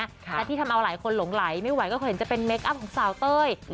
และที่ทำเอาหลายคนหลงไหลไม่ไหวก็เคยเห็นจะเป็นเคคอัพของสาวเต้ย